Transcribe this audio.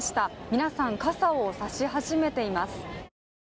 皆さん傘をさし始めています。